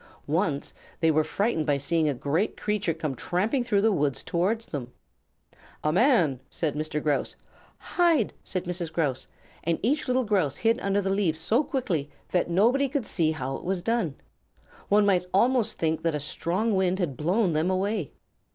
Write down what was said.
Once they were frightened by seeing a great creature come tramping through the woods towards them. "A man!" said Mr. Grouse. "Hide!" said Mrs. Grouse, and each little Grouse hid under the leaves so quickly that nobody could see how it was done. One might almost think that a strong wind had blown them away.